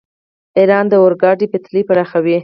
ایران د اورګاډي پټلۍ پراخوي.